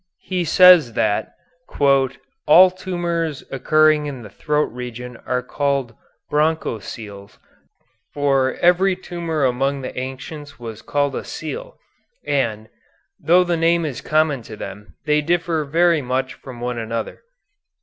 He says that "all tumors occurring in the throat region are called bronchoceles, for every tumor among the ancients was called a cele, and, though the name is common to them, they differ very much from one another."